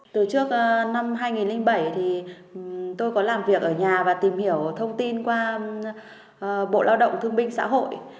từ trước năm hai nghìn bảy thì tôi có làm việc ở nhà và tìm hiểu thông tin qua bộ lao động thương binh xã hội